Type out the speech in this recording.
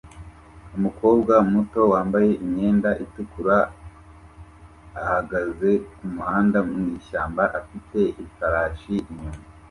Umukobwa muto wambaye imyenda itukura ahagaze kumuhanda mwishyamba afite ifarashi inyuma